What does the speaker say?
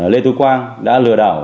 lê tú quang đã lừa đảo